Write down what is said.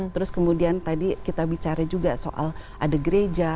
terus kemudian tadi kita bicara juga soal ada gereja